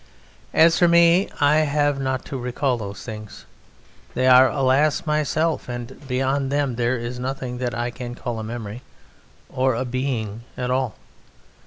As for me I have not to recall those things. They are, alas, myself, and beyond them there is nothing that I can call a memory or a being at all.